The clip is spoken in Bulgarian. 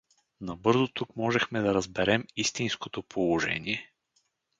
Набързо тук можахме да разберем истинското положение.